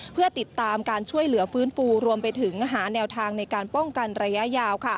เพื่อติดตามการช่วยเหลือฟื้นฟูรวมไปถึงหาแนวทางในการป้องกันระยะยาว